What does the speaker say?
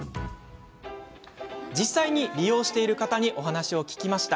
実際に利用している方にお話を伺いました。